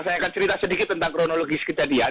saya akan cerita sedikit tentang kronologis kejadian